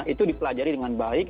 itu dipelajari dengan baik